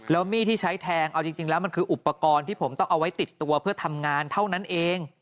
แล้วมีดที่ใช้แทงเอาจริงแล้วมันคืออุปกรณ์ที่ผมต้องเอาไว้ติดตัวเพื่อทำงานเท่านั้นเอง